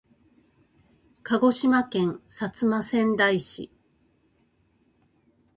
鹿児島県薩摩川内市